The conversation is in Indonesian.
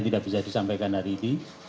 tidak bisa disampaikan hari ini